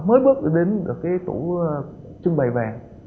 mới bước đến cái tủ trưng bày vàng